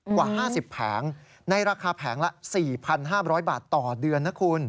กว่า๕๐แผงในราคาแผงละ๔๕๐๐บาทต่อเดือนนะคุณ